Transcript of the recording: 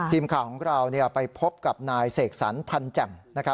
ทีมข่าวของเราไปพบกับนายเสกสรรพันแจ่ม